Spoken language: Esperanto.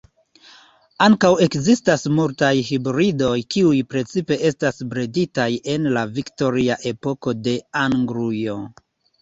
Ankaŭ ekzistas multaj hibridoj, kiuj precipe estas breditaj en la viktoria epoko de Anglujo.